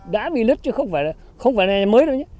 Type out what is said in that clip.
đã bị nứt chứ không phải nhà mới đâu